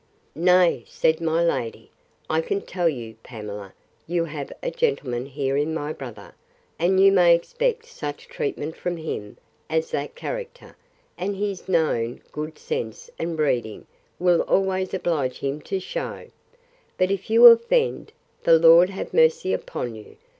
Nay, said my lady, I can tell you, Pamela, you have a gentleman here in my brother; and you may expect such treatment from him, as that character, and his known good sense and breeding, will always oblige him to shew: But if you offend, the Lord have mercy upon you!